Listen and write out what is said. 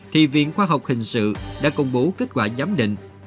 thì viện khoa học hình sự đã công bố kết quả giám định